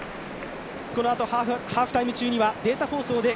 このあとハーフタイム中にはデータ放送で